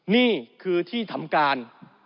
นี่คือที่ทำการ